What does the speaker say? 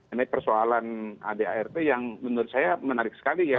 ini persoalan adart yang menurut saya menarik sekali ya